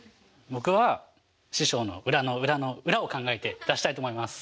僕は師匠の裏の裏の裏を考えて出したいと思います。